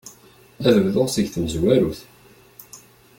Ad bduɣ seg tmezwarut.